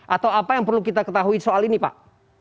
atau apa yang perlu kita ketahui soal ini pak